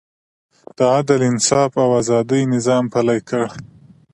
د عدل، انصاف او ازادۍ نظام پلی کړ.